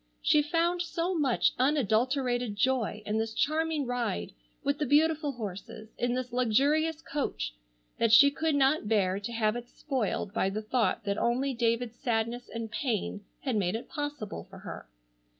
She found so much unadulterated joy in this charming ride with the beautiful horses, in this luxurious coach, that she could not bear to have it spoiled by the thought that only David's sadness and pain had made it possible for her.